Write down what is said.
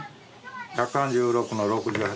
１３６の６８。